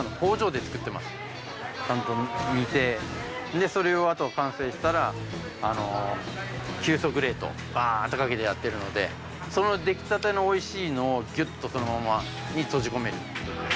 ちゃんと煮てそれをあと完成したら急速冷凍バーンとかけてやってるのでその出来たてのおいしいのをギュッとそのままに閉じ込めるという事ですね。